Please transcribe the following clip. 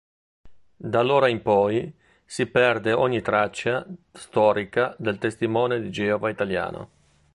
Da allora in poi si perde ogni traccia storica del Testimone di Geova italiano.